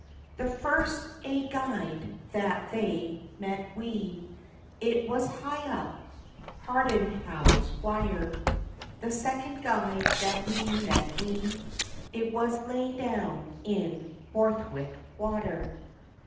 The first ae guide that they met wi', It was high up Hardhaughswire; The second guide that we met wi', It was laigh down in Borthwick water.